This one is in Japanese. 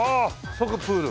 即プール。